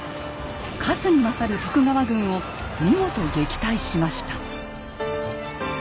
数に勝る徳川軍を見事撃退しました。